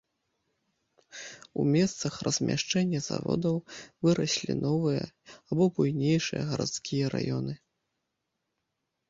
У месцах размяшчэння заводаў выраслі новыя або буйнейшыя гарадскія раёны.